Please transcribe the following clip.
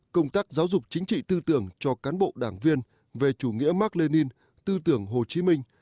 công tác giáo dục chính trị tư tưởng cho cán bộ đảng viên về chủ nghĩa mark lenin tư tưởng hồ chí minh